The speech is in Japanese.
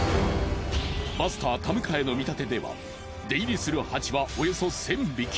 バスター田迎の見立てでは出入りするハチはおよそ１，０００匹。